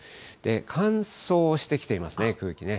乾燥してきていますね、空気ね。